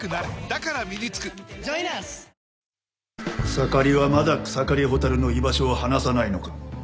草刈はまだ草刈蛍の居場所を話さないのか。